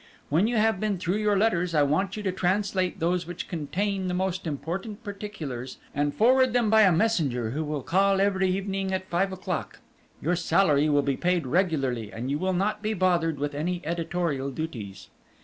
When you have been through your letters I want you to translate those which contain the most important particulars and forward them by a messenger who will call every evening at five o'clock. Your salary will be paid regularly, and you will not be bothered with any editorial duties.